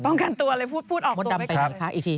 ป้องกันตัวเลยพูดออกตัวไว้ก่อนมดดำไปไหนคะอีชี